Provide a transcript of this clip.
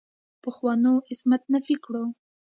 پخوانو عصمت نفي کړو.